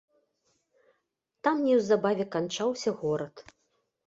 Там неўзабаве канчаўся горад.